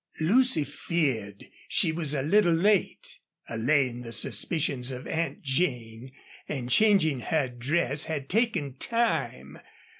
Lucy feared she was a little late. Allaying the suspicions of Aunt Jane and changing her dress had taken time.